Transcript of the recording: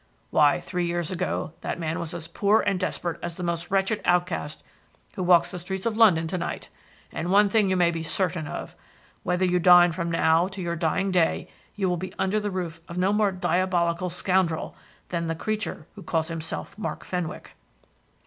Why, three years ago that man was as poor and desperate as the most wretched outcast who walks the streets of London to night. And one thing you may be certain of wherever you dine from now to your dying day, you will be under the roof of no more diabolical scoundrel than the creature who calls himself Mark Fenwick."